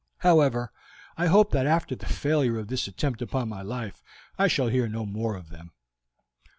However, I hope that after the failure of this attempt upon my life I shall hear no more of them."